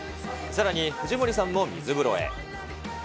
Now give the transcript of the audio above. さらに藤森さんも水風呂へ。